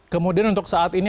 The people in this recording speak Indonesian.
kemudian untuk saat ini